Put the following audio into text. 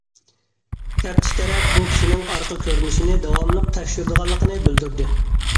تەپتىش تەرەپ، بۇ كىشىنىڭ ئارقا كۆرۈنۈشىنى داۋاملىق تەكشۈرىدىغانلىقىنى بىلدۈردى.